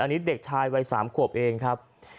อันนี้เด็กชายวัย๓ขวบเองครับ